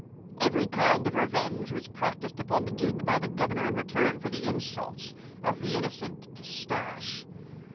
Every kind of revenge was practiced upon the duke by the governor in return for the insults of the innocent Pistache.